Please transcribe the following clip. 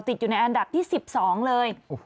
ติดอยู่ในอันดับที่๑๒เลย